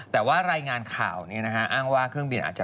แต่ว่ารายงานข่าวอ้างว่าเครื่องบินอาจจะ